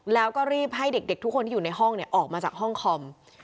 แล้วก็รีบให้เด็กทุกคนที่อยู่ในห้องออกมาจากห้องคอม